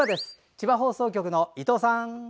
千葉放送局の伊藤さん。